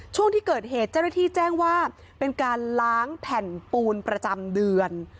ช่วงที่เกิดเหตุเจ้าหน้าที่แจ้งว่าเป็นการล้างแผ่นปูนประจำเดือน